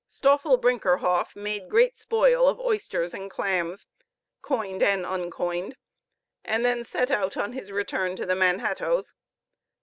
Stoffel Brinkerhoff made great spoil of oysters and clams, coined and uncoined, and then set out on his return to the Manhattoes.